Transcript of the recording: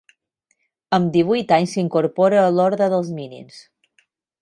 Amb divuit anys s'incorpora a l'Orde dels Mínims.